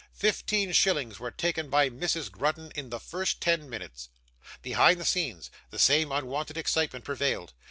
Fifteen shillings were taken by Mrs. Grudden in the first ten minutes. Behind the scenes, the same unwonted excitement prevailed.